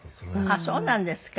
あっそうなんですか。